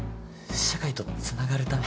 社会とつながるため？